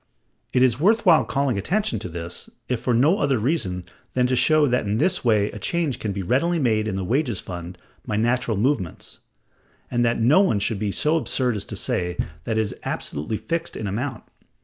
It is worth while calling attention to this, if for no other reason than to show that in this way a change can be readily made in the wages fund by natural movements; and that no one can be so absurd as to say that it is absolutely fixed in amount.